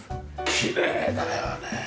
きれいだよねえ。